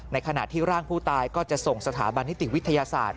ขณะที่ร่างผู้ตายก็จะส่งสถาบันนิติวิทยาศาสตร์